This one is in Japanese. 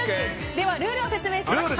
ルールを説明します。